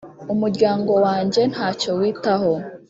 umuryango wanjye nta cyo witaho.